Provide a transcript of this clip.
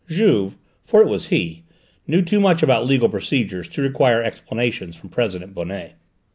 Juve for it was he knew too much about legal procedure to require explanations from President Bonnet.